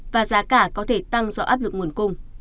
và giá cả có thể tăng do áp lực nguồn cung